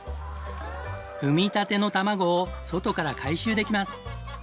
産みたてのたまごを外から回収できます。